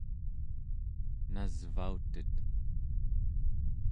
nasvautet